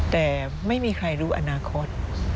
แต่ไม่มีใครรู้อนาคต